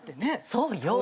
そうよ。